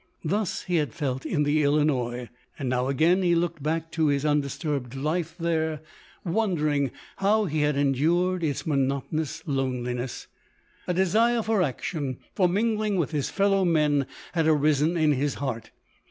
Thus he had felt in the Illinois ; and now again he looked back to his undisturbed life LODORE. 229 there, wondering how lie had endured its mono tonous loneliness. A desire for action, for min gling with his fellow men, had arisen in his heart.